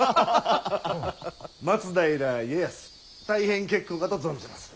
「松平家康」大変結構かと存じまする。